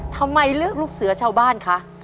ทำไมเลือกลูกเสือชาวบ้านคะ